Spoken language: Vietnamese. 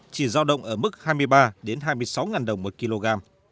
chỉ giao động ở mức hai mươi ba hai mươi sáu đồng một kg